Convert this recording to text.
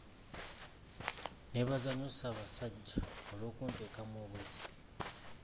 Nneebaza nnyo Ssaabasajja olw'okunteekamu obwesige.